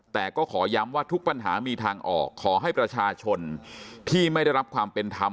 แต่ก็ขอย้ำว่าทุกปัญหามีทางออกขอให้ประชาชนที่ไม่ได้รับความเป็นธรรม